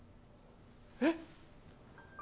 えっ？